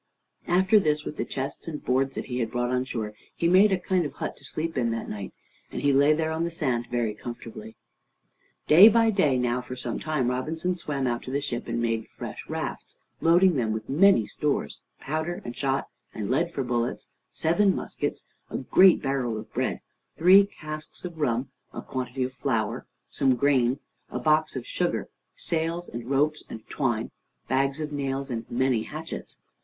After this, with the chests and boards that he had brought on shore, he made a kind of hut to sleep in that night, and he lay there on the sand very comfortably. Day by day now for some time Robinson swam out to the ship, and made fresh rafts, loading them with many stores, powder and shot, and lead for bullets, seven muskets, a great barrel of bread, three casks of rum, a quantity of flour, some grain, a box of sugar, sails and ropes and twine, bags of nails, and many hatchets.